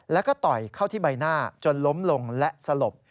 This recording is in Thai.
แล้วก็ต่อยเข้าที่ใบหน้าจนล้มลงและสลบ